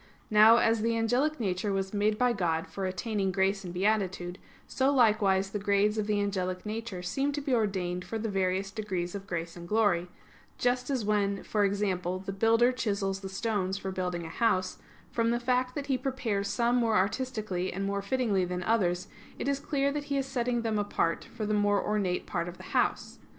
Now as the angelic nature was made by God for attaining grace and beatitude, so likewise the grades of the angelic nature seem to be ordained for the various degrees of grace and glory; just as when, for example, the builder chisels the stones for building a house, from the fact that he prepares some more artistically and more fittingly than others, it is clear that he is setting them apart for the more ornate part of the house.